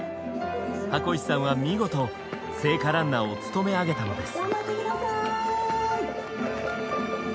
箱石さんは見事聖火ランナーを務め上げたのです。